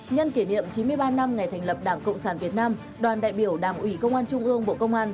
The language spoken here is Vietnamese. nhân kỷ niệm chín mươi ba năm ngày thành lập đảng cộng sản việt nam đoàn đại biểu đảng ủy công an trung ương bộ công an